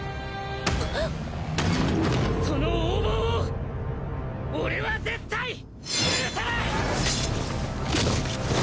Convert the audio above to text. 「その横暴を俺は絶対許さない」